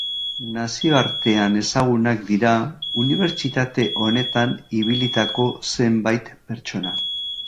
Nazioartean ezagunak dira unibertsitate honetan ibilitako zenbait pertsona.